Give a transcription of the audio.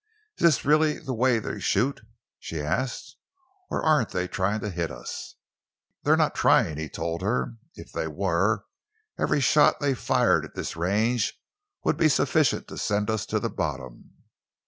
"Is this really the way that they shoot," she asked, "or aren't they trying to hit us?" "They are not trying," he told her. "If they were, every shot they fired at this range would be sufficient to send us to the bottom."